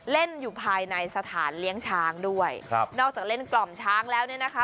เล่นอยู่ภายในสถานเลี้ยงช้างด้วยครับนอกจากเล่นกล่อมช้างแล้วเนี่ยนะคะ